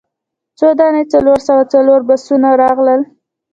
څو دانې څلور سوه څلور بسونه راغلل.